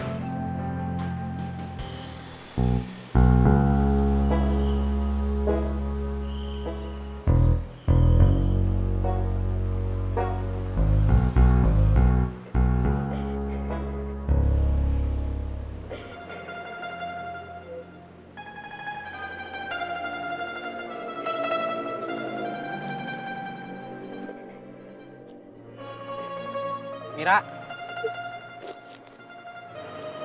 engga kok melaparin genggsot